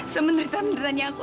semenerita meneritanya aku